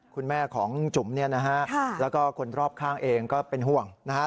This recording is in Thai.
คุณแม่ของจุ๋มเนี่ยนะฮะแล้วก็คนรอบข้างเองก็เป็นห่วงนะฮะ